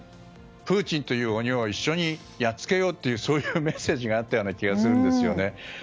プーチンという鬼を一緒にやっつけようというそういうメッセージがあったような気がするんですよね。